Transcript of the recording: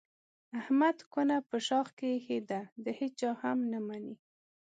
احمد کونه په شاخ کې ایښې ده د هېچا هم نه مني.